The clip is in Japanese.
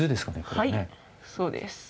はいそうです。